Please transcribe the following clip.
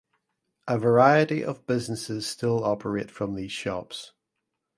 A variety of businesses still operate from these shops.